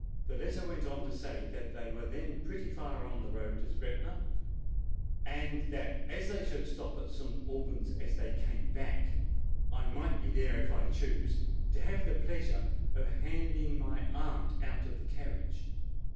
The letter went on to say that they were then pretty far on their road to Gretna, and that as they should stop at St. Alban's as they came back, I might be there, if I chose, to have the pleasure of handing my aunt out of the carriage.